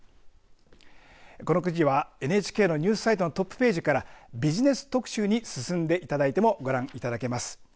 この記事はＮＨＫのニュースサイトのトップページからビジネス特集に進んでいただいてもご覧いただけます。